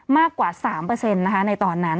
มากกว่า๓ในตอนนั้น